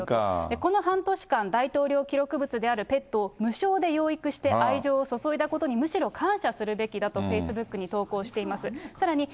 この半年間、大統領記録物であるペットを無償で養育して愛情を注いだことに、むしろ感謝するべきだとフェイスブックに投稿しています。